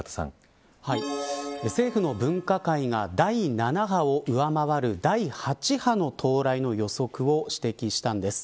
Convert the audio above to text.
政府の分科会が第７波を上回る第８波の到来の予測を指摘したんです。